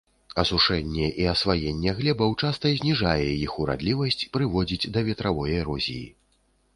Асушэнне і асваенне глебаў часта зніжае іх урадлівасць, прыводзіць да ветравой эрозіі.